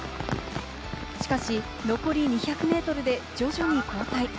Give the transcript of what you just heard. しかし、残り２００ｍで徐々に後退。